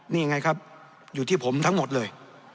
นี่ไงครับอยู่ที่ผมทั้งหมดเลย